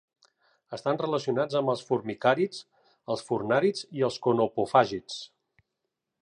Estan relacionats amb els formicàrids, els furnàrids i els conopofàgids.